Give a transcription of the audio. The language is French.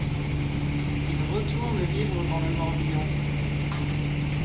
Il retourne vivre dans le Morbihan.